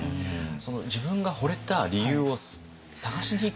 その自分がほれた理由を探しにいく？